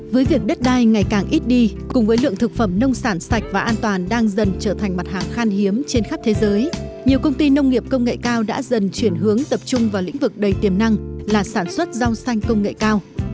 với việc đất đai ngày càng ít đi cùng với lượng thực phẩm nông sản sạch và an toàn đang dần trở thành mặt hàng khan hiếm trên khắp thế giới nhiều công ty nông nghiệp công nghệ cao đã dần chuyển hướng tập trung vào lĩnh vực đầy tiềm năng là sản xuất rau xanh công nghệ cao